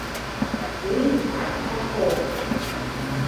Уи ҳа ҳауп!